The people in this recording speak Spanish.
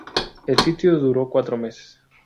El sitio duró cuatro meses.